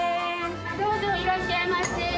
どうぞ、いらっしゃいませ。